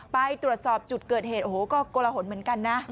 ไปตรวจสอบจุดเกิดเหตุโอ้โหก็กลหนเหมือนกันนะ